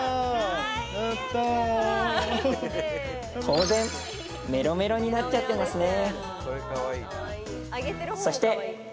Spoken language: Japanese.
当然メロメロになっちゃってますね